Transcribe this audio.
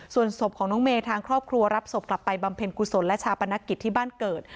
ส่วนศพของน้องเมย์ทางครอบครัวรับศพกลับไปบำเพ็ญกุศลและชาปนกิจที่บ้านเกิด